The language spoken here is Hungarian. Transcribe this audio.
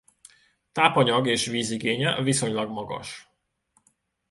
Tápanyag- és vízigénye viszonylag magas.